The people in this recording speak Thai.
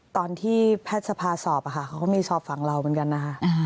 ตอนที่แพทย์สภาสอบเขาก็มีสอบฝั่งเราเหมือนกันนะคะ